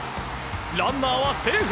ランナーはセーフ！